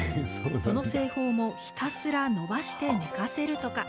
その製法もひたすら延ばして寝かせるとか。